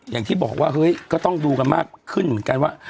อย่างที่บอกว่าเฮ้ยก็ต้องดูกันมากขึ้นเหมือนกันว่า